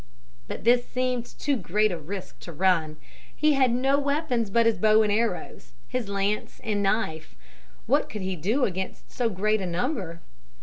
But this seemed too great a risk to run. He had no weapons but his bow and arrows, his lance and knife. What could he do against so great a number?